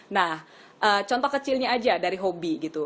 nah contoh kecilnya aja dari hobi gitu